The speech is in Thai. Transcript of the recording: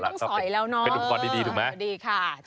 ไม่ต้องสอยแล้วเนอะเดี๋ยวดีค่ะใช่ไหม